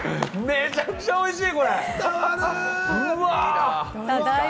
めちゃくちゃおいしい！